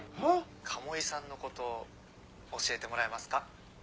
鴨居さんのこと教えてもらえますか？